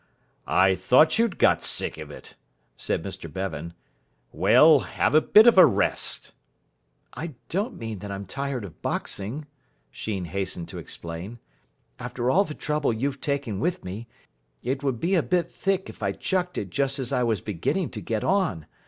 "I thought you'd got sick of it," said Mr Bevan. "Well, have a bit of a rest." "I don't mean that I'm tired of boxing," Sheen hastened to explain. "After all the trouble you've taken with me, it would be a bit thick if I chucked it just as I was beginning to get on.